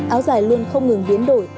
áo giải luôn không ngừng biến đổi